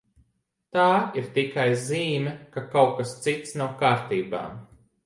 Tā ir tikai zīme, ka kaut kas cits nav kārtībā.